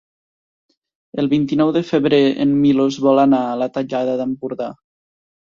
El vint-i-nou de febrer en Milos vol anar a la Tallada d'Empordà.